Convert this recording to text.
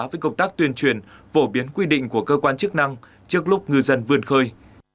với công tác tuyên truyền phổ biến quy định của cơ quan chức năng trước lúc ngư dân vươn khơi